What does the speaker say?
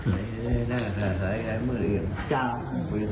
สังเกตไตรอีกหนึ่ง